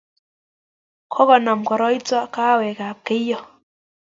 Kokonam koroito kahawek ab keiyo